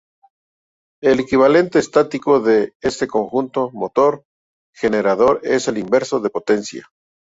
El equivalente estático de este conjunto motor-generador es el inversor de potencia.